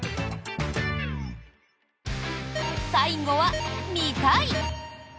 最後は、「見たい」。